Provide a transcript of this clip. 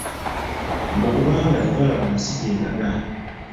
Mbu kubanga tebalaba nsi gy'eraga!